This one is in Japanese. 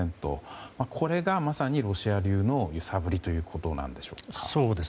これがまさにロシア流の揺さぶりということなんでしょうか？